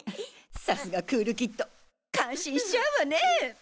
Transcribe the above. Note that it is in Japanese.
さすがクールキッド感心しちゃうわねぇ！